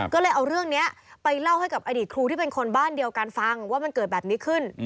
ก็เลยเอาเรื่องนี้ไปเล่าให้กับอดีตครูที่เป็นคนบ้านเดียวกันฟังว่ามันเกิดแบบนี้ขึ้น